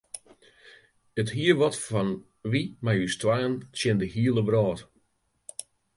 It hie wat fan wy mei ús twaen tsjin de hiele wrâld.